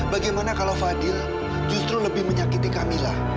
bagaimana kalau fadil justru lebih menyakiti kamila